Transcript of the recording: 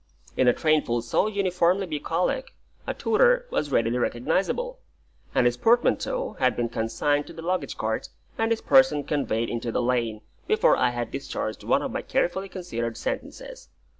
In a trainful so uniformly bucolic, a tutor was readily recognisable; and his portmanteau had been consigned to the luggage cart, and his person conveyed into the lane, before I had discharged one of my carefully considered sentences.